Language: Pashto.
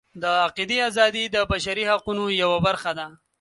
د عقیدې ازادي د بشري حقونو یوه برخه ده.